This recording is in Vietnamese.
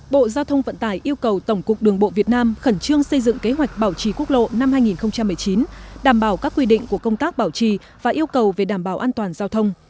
bộ giao thông vận tải yêu cầu tổng cục đường bộ việt nam khẩn trương xây dựng kế hoạch bảo trì quốc lộ năm hai nghìn một mươi chín đảm bảo các quy định của công tác bảo trì và yêu cầu về đảm bảo an toàn giao thông